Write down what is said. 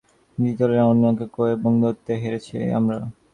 Bahrain ম্যাচে আমি এককে জিতলেও অন্য একক এবং দ্বৈতে হেরেছি আমরা।